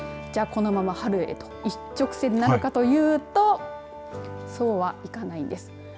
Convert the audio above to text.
このまま春へと一直線なのかというとそうはいかないんです。